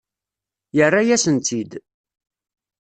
Yerra-yasen-tt-id.